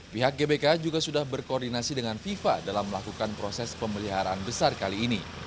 pihak gbk juga sudah berkoordinasi dengan fifa dalam melakukan proses pemeliharaan besar kali ini